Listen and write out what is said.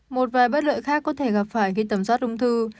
một vài bất lợi khác có thể gặp phải khi tầm soát ung thư